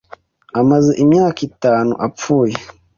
Amaze imyaka itanu apfuye.